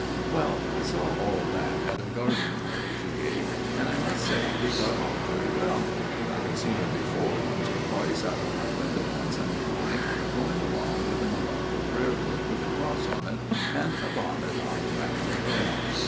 " Well, I saw all that at a garden party she gave ; and I must say we got on very well. I had seen her before once or twice out of my window on Sunday morning going along with a morocco prayer book with a cross on it, and a bonnet on the back of her head.